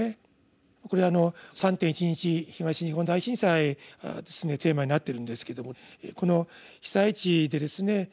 これ３．１１東日本大震災がテーマになってるんですけどもこの被災地でですね